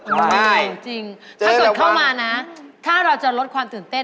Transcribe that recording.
ง่ายจริงถ้าเกิดเข้ามานะถ้าเราจะลดความตื่นเต้น